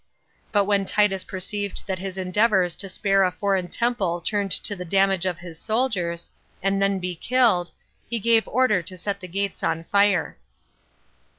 But when Titus perceived that his endeavors to spare a foreign temple turned to the damage of his soldiers, and then be killed, he gave order to set the gates on fire.